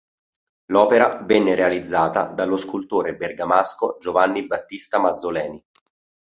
L'opera venne realizzata dallo scultore bergamasco Giovanni Battista Mazzoleni.